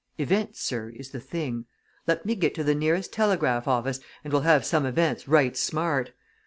Events, sir, is the thing! Let me get to the nearest telegraph office, and we'll have some events, right smart.